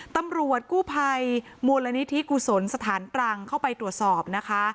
ตำรวจกู้ภัยมูลนิธิกุศลสถานตรังเข้าไปตรวจสอบนะคะ